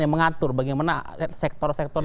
yang mengatur bagaimana sektor sektor